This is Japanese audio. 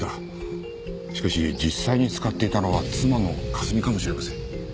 しかし実際に使っていたのは妻の香澄かもしれません。